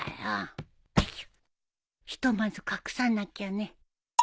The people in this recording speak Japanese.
ひとまず隠さなきゃね